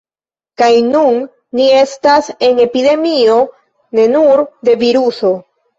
Kaj nun ni estas en epidemio ne nur de viruso